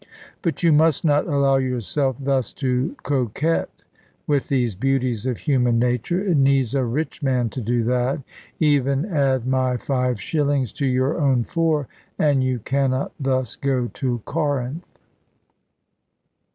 But you must not allow yourself thus to coquet with these beauties of human nature. It needs a rich man to do that. Even add my five shillings to your own four, and you cannot thus go to Corinth."